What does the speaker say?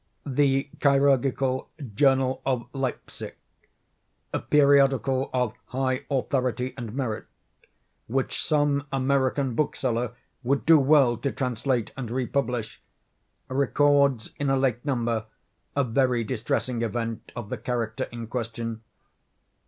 The "Chirurgical Journal" of Leipsic, a periodical of high authority and merit, which some American bookseller would do well to translate and republish, records in a late number a very distressing event of the character in question.